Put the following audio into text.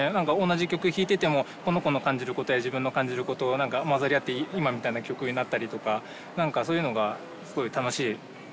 同じ曲を弾いててもこの子の感じることや自分の感じることが何か混ざり合って今みたいな曲になったりとか何かそういうのがすごい楽しい。